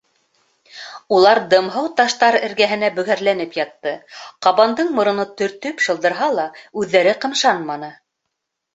Улар дымһыу таштар эргәһенә бөгәрләнеп ятты, ҡабандың мороно төртөп шылдырһа ла, үҙҙәре ҡымшанманы.